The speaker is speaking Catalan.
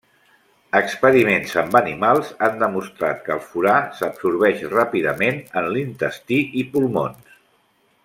Experiments amb animals han demostrat que el furà s'absorbeix ràpidament en l'intestí i pulmons.